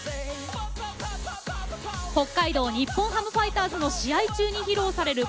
北海道日本ハムファイターズの試合中に披露される